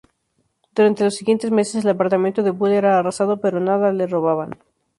Durante los siguientes meses el apartamento de Bull era arrasado pero nada le robaban.